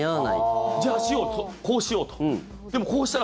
じゃあ、足をこうしようと。